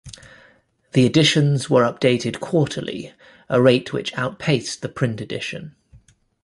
The editions were updated quarterly-a rate which outpaced the print edition.